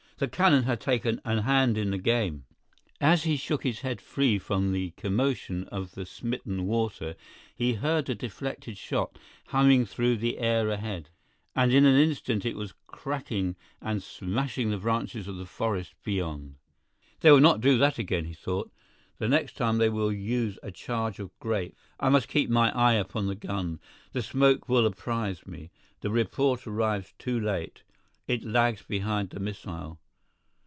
The cannon had taken an hand in the game. As he shook his head free from the commotion of the smitten water he heard the deflected shot humming through the air ahead, and in an instant it was cracking and smashing the branches in the forest beyond. "They will not do that again," he thought; "the next time they will use a charge of grape. I must keep my eye upon the gun; the smoke will apprise me—the report arrives too late; it lags behind the missile.